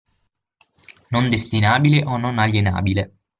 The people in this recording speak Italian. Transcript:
Non destinabile o non alienabile